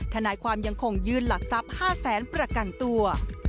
ขณะความยังคงยืนหลักทรัพย์๕๐๐๐๐๐ประกันตัว